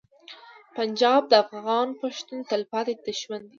پنجاب د افغان پښتون تلپاتې دښمن دی.